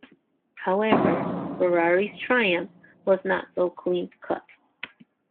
However, Ferrari's triumph was not so clean-cut.